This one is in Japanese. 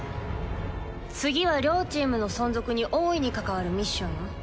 次は両チームの存続におおいに関わるミッションよ。